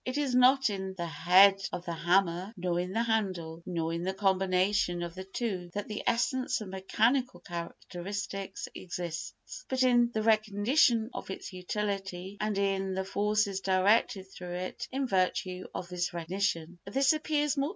It is not in the head of the hammer, nor in the handle, nor in the combination of the two that the essence of mechanical characteristics exists, but in the recognition of its utility and in the forces directed through it in virtue of this recognition.